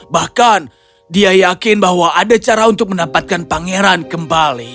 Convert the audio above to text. bahkan dia yakin bahwa ada cara untuk mendapatkan pangeran kembali